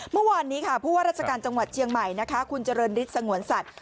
เมื่อวานนี้ค่ะผู้ว่าราชการจังหวัดเชียงใหม่นะคะคุณเจริญฤทธิสงวนสัตว